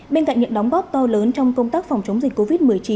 bên cạnh những đóng góp to lớn trong công tác phòng chống dịch covid một mươi chín